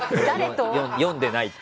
読んでないって。